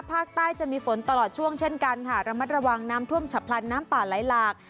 ภาคใต้จะมีฝนตลอดช่วงเช่นกันค่ะระมัดระวังน้ำท่วมฉับพลันน้ำป่าไหลหลาก